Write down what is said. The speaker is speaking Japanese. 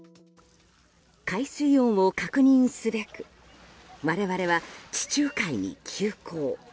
海水温を確認すべく我々は地中海に急行。